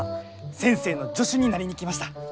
先生の助手になりに来ました。